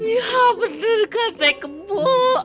yah bener gantai kebuk